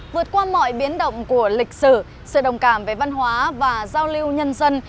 vượt qua mọi biến động của lịch sử sự đồng cảm về văn hóa và giao lưu nhân dân